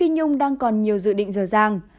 nhung đang còn nhiều dự định dở dàng